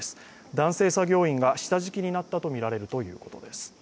男性作業員が下敷きになったと見られるということです。